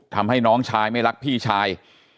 ทำให้น้องชายไม่รักพี่ชาย